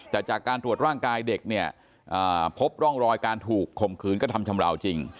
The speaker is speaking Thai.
แต่จากการตรวจร่างกายเด็กเนี่ยพบร่องรอยการถูกข่มขืนกระทำชำราวจริง